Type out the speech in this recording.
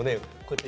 って。